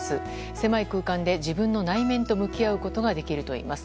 狭い空間で自分の内面と向き合うことができるといいます。